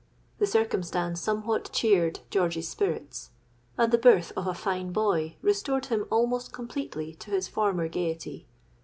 This circumstance somewhat cheered George's spirits; and the birth of a fine boy restored him almost completely to his former gaiety.